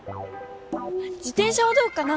自てん車はどうかな？